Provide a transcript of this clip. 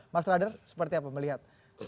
mas radar seperti apa melihat